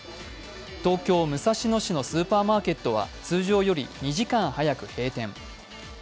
東京・武蔵野市のスーパーマーケットは通常より２時間早く閉店。